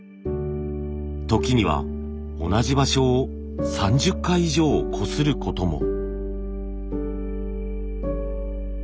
時には同じ場所を３０回以上こすることも。